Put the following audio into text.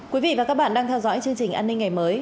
quý vị và các bạn đang theo dõi chương trình an ninh ngày mới